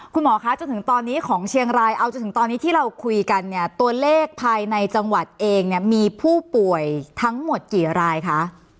คุณหมอคะจนถึงตอนนี้ของเชียงรายเอาจนถึงตอนนี้ที่เราคุยกันเนี่ยตัวเลขภายในจังหวัดเองเนี่ยมีผู้ป่วยทั้งหมดกี่รายคะ